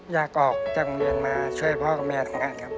อยากออกจากโรงเรียนมาช่วยพ่อกับแม่ทำงานครับ